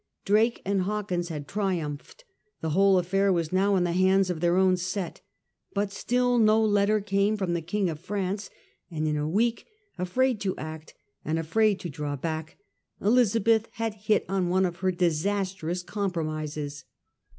Drake and Hawkins had triumphed. The whole affair was now in the hands of their own set ; but still no letter came from the King of France, and ia a week, afraid to act and afraid to draw back, Elizabeth had hit on one of her disastrous compromises.